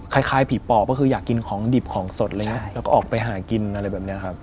คล้ายผีปอบก็คืออยากกินของดิบของสดอะไรอย่างนี้แล้วก็ออกไปหากินอะไรแบบนี้ครับ